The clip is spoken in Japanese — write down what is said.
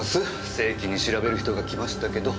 正規に調べる人が来ましたけど。